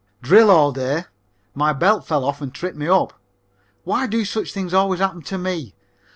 Drill all day. My belt fell off and tripped me up. Why do such things always happen to me?